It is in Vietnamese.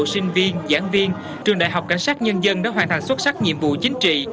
sinh viên giảng viên trường đại học cảnh sát nhân dân đã hoàn thành xuất sắc nhiệm vụ chính trị